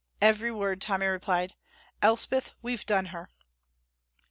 "Every word," Tommy replied. "Elspeth, we've done her!"